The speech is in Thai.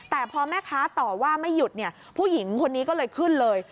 แต่พอแม่ค้าต่อว่าไม่หยุดเนี่ยผู้หญิงคนนี้ก็เลยขึ้นเลย